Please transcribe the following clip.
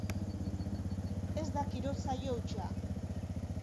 Ez da kirol saio hutsa.